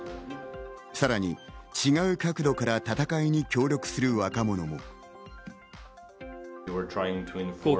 さらに違う角度から戦いに協力する若者も。